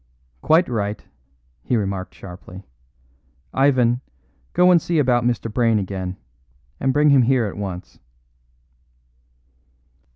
"Quite right," he remarked sharply. "Ivan, go and see about Mr. Brayne again, and bring him here at once."